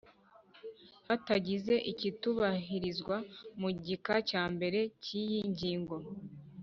Hatagize ikitubahirizwa mu gika cya mbere cy iyi ngingo